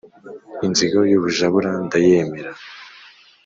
inzigo y'ubujabura ndayemera.